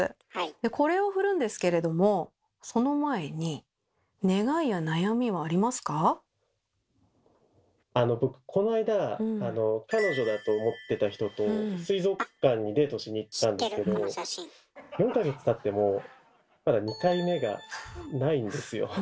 でこれをふるんですけれどもその前にあの僕この間彼女だと思ってた人と水族館にデートしに行ったんですけど４か月たってもまだ２回目がないんですよ。